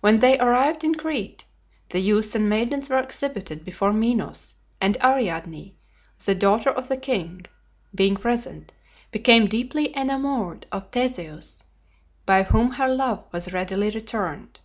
When they arrived in Crete, the youths and maidens were exhibited before Minos; and Ariadne, the daughter of the king, being present, became deeply enamored of Theseus, by whom her love was readily returned.